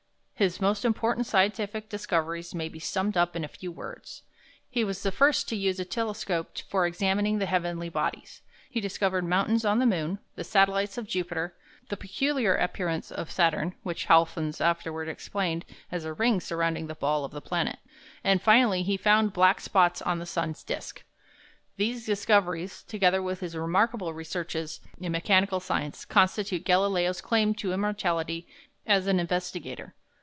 His most important scientific discoveries may be summed up in a few words; he was the first to use a telescope for examining the heavenly bodies; he discovered mountains on the moon; the satellites of Jupiter; the peculiar appearance of Saturn which Huygens afterward explained as a ring surrounding the ball of the planet; and, finally, he found black spots on the sun's disk. These discoveries, together with his remarkable researches in mechanical science, constitute Galileo's claim to immortality as an investigator.